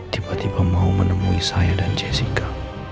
tiba tiba mau menemui saya dan jessica